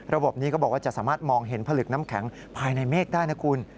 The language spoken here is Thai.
ระบบนี้ก็บอกว่าจะสามารถมองเห็นผลึกน้ำแข็งภายในเมฆได้นะคุณ